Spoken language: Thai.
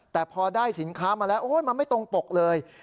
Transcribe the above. แต่พอได้สินค้ามาแล้วมันไม่ตรงปกเลย